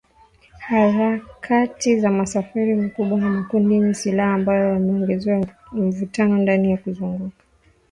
Harakati za misafara mikubwa ya makundi yenye silaha ambayo yameongeza mvutano ndani na kuzunguka Tripoli